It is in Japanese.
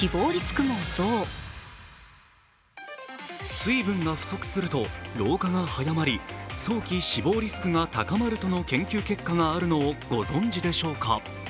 水分が不足すると、老化が早まり早期死亡リスクが高まるとの研究結果があるのをご存じでしょうか。